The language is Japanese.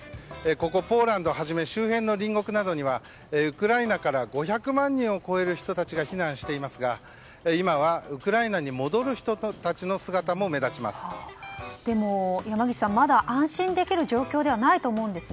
ここポーランドをはじめ周辺の隣国などにはウクライナから５００万人を超える人たちが避難していますが今は、ウクライナに戻る人たちの姿も目立ちます。